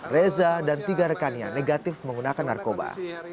reza dan tiga rekannya negatif menggunakan narkoba